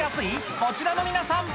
こちらの皆さん